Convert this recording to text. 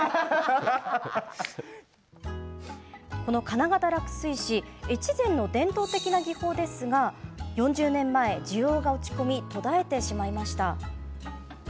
この金型落水紙越前の伝統的な技法ですが４０年前、需要が落ち込み途絶えてしまいました。